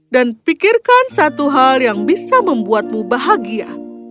dan pikirkan satu hal yang bisa membuatmu bahagia